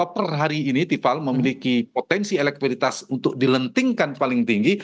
per hari ini tiffal memiliki potensi elektabilitas untuk dilentingkan paling tinggi